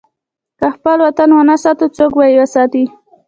که خپل وطن ونه ساتو، څوک به یې وساتي؟